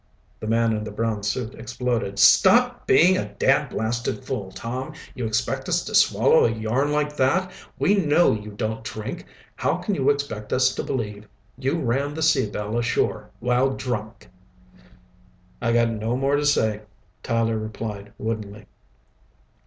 The man in the brown suit exploded. "Stop being a dadblasted fool, Tom! You expect us to swallow a yarn like that? We know you don't drink. How can you expect us to believe you ran the Sea Belle ashore while drunk?" "I got no more to say," Tyler replied woodenly.